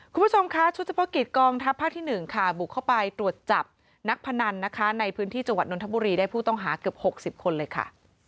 คุณผู้ชมคะชุดเฉพาะกิจกองทัพภาคที่๑ค่ะบุกเข้าไปตรวจจับนักพนันนะคะในพื้นที่จังหวัดนทบุรีได้ผู้ต้องหาเกือบ๖๐คนเลยค่ะ